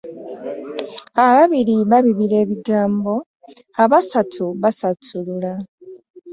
Ababiri babira ebigambo, abasatu basatulula .